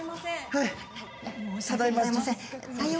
はい